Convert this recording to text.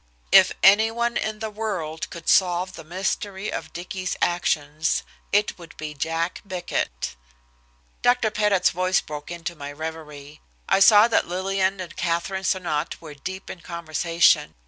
If anyone in the world could solve the mystery of Dicky's actions, it would be Jack Bickett. Dr. Pettit's voice broke into my reverie. I saw that Lillian and Katherine Sonnot were deep in conversation.